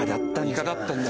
イカだったんだ。